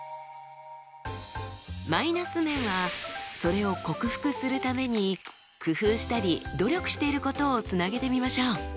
マイナス面はそれを克服するために工夫したり努力していることをつなげてみましょう。